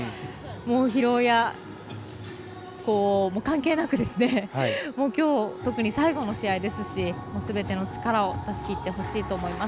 疲労は関係なくきょう、特に最後の試合ですしすべての力を出しきってほしいと思います。